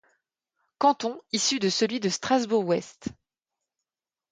Canton issu de celui de Strasbourg-Ouest.